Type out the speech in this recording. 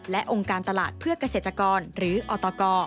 และองค์การตลาดเพื่อเกษตรกรหรืออตก